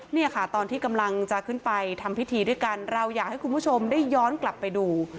เนี่ยค่ะตอนที่กำลังจะขึ้นไปทำพิธีด้วยกันเราอยากให้คุณผู้ชมได้ย้อนกลับไปดู